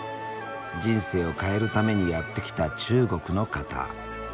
人生を変えるためにやって来た中国の方。